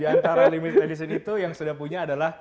di antara limited itu yang sudah punya adalah